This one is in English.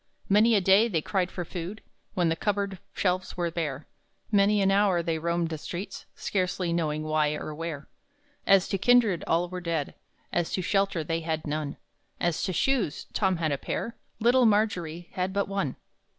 Many a day they cried for food When the cup board shelves were bare; Many an hour they roamed the streets Scarcely knowing why or where. As to kindred, all were dead; As to shelter, they had none; As to shoes, Tom had a pair; Little Margery had but one!